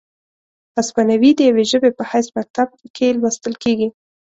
هسپانیوي د یوې ژبې په حیث مکتب کې لوستل کیږي،